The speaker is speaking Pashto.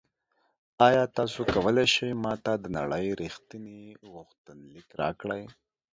ایا تاسو کولی شئ ما ته د نړۍ ریښتیني غوښتنلیک راکړئ؟